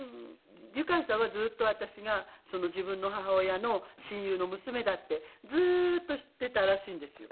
ユカイさんはずっと私が自分の母親の親友の娘だってずっと知っていたらしいんですよ。